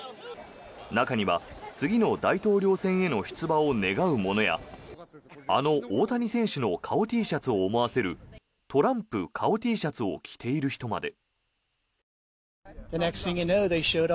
中には、次の大統領選への出馬を願うものやあの大谷選手の顔Ｔシャツを思わせるトランプ顔Ｔシャツを着ている人まで。